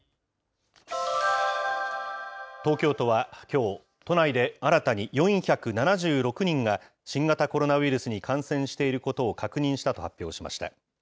東京都はきょう、都内で新たに４７６人が、新型コロナウイルスに感染していることを確認したと発表しました。